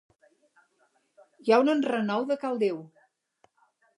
Hi ha un enrenou de cal Déu!